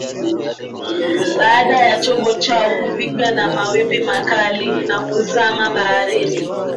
baada ya chombo chao kupigwa na mawimbi makali na kuzama baharini